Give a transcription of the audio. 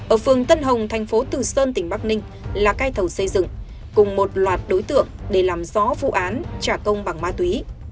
ở phường tân hồng thành phố từ sơn tỉnh bắc ninh là cai thầu xây dựng cùng một loạt đối tượng để làm rõ vụ án trả công bằng ma túy